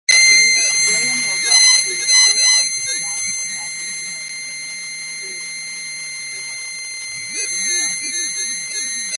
William Hogarth drew "Sir Francis Dashwood at his Devotions" for dilettante Viscount Boyne.